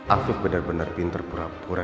afif bener bener pinter pura pura